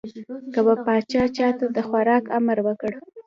که به پاچا چا ته د خوراک امر وکړ.